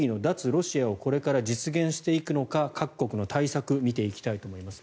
ロシアをこれから実現していくのか各国の対策を見ていきます。